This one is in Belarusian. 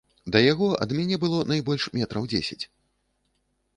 Да яго ад мяне было найбольш метраў дзесяць.